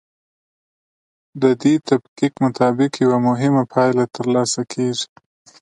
د دې تفکیک مطابق یوه مهمه پایله ترلاسه کیږي.